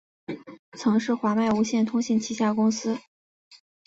曾是华脉无线通信旗下公司。